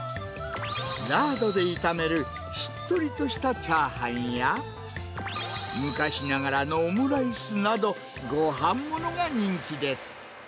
ラードで炒めるしっとりとしたチャーハンや、昔ながらのオムライスなど、ごはんものが人気です。